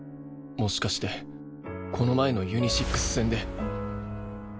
もしかしてこの前のユニシックス戦で。